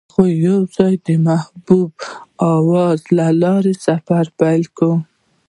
هغوی یوځای د محبوب اواز له لارې سفر پیل کړ.